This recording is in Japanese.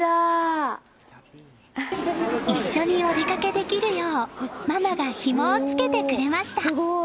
一緒にお出かけできるようママがひもをつけてくれました。